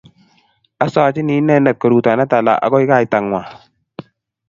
asochini inende koruto ne tala agoi kaitang'wang